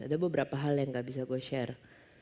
ada beberapa hal yang gak bisa gue share